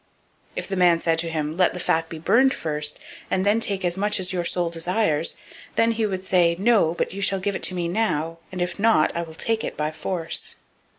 002:016 If the man said to him, They will surely burn the fat first, and then take as much as your soul desires; then he would say, No, but you shall give it me now: and if not, I will take it by force.